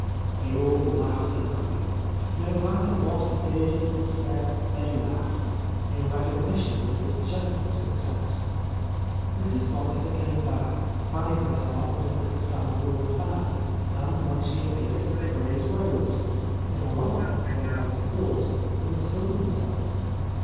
They all laughed at Ivy. No matter what he did or said, they laughed, — in recognition of his general success. Mrs. Forrester came back, fanning herself with a little sandalwood fan, and when she appeared the boys rose, — in alarm, one might have thought, from the suddenness of it.